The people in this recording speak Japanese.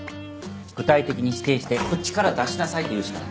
具体的に指定してこっちから出しなさいと言うしかない。